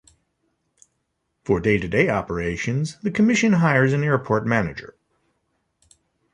For day-to-day operations, the Commission hires an airport manager.